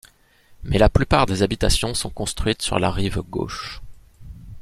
Mais la plupart des habitations sont construites sur la rive gauche.